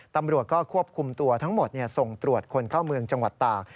ตำรวจก็ควบคุมตัวทั้งหมดส่งตรวจคนเข้าเมืองจังหวัดตาก